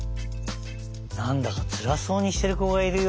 なんだかつらそうにしてるこがいるよ。